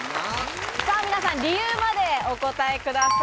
皆さん、理由までお答えください。